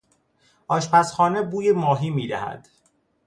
آشپزخانه بوی ماهی می دهد.